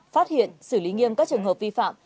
phát hiện xử lý nghiêm các trường hợp vi phạm